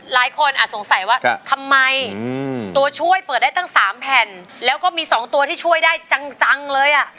หลายคนอาจสงสัยว่าทำไมตัวช่วยเปิดได้ตั้ง๓แผ่นแล้วก็มี๒ตัวที่ช่วยได้จังเลยอ่ะ